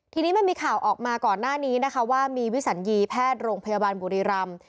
ทีนี้มันมีข่าวออกมาก่อนหน้านี้นะคะว่ามีวิสัญญีแพทย์โรงพยาบาลบุรีรำ